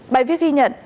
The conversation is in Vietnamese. bài viết ghi nhận